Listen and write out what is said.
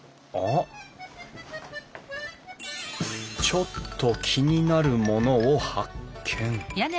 ちょっと気になるものを発見